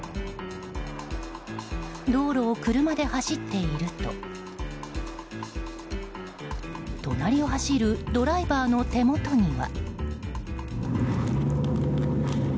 道路を車で走っていると隣を走るドライバーの手元には。